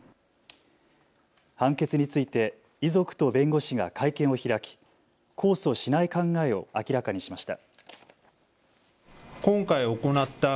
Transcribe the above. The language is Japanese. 判決について遺族と弁護士が会見を開き控訴しない考えを明らかにしました。